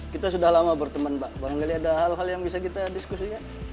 kita sudah lama berteman pak barangkali ada hal hal yang bisa kita diskusi